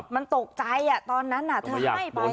มันตกใจอ่ะตอนนั้นอ่ะเธอให้ไป